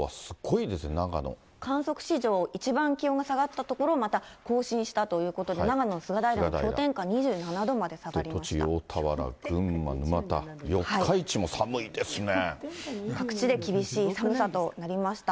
観測史上、一番気温が下がった所、また、更新したということで、長野の菅平、氷点下２７度ま栃木・大田原、群馬・沼田、各地で厳しい寒さとなりました。